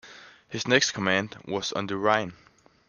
His next command was on the Rhine.